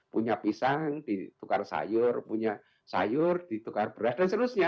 punya pisang ditukar sayur punya sayur ditukar beras dan seterusnya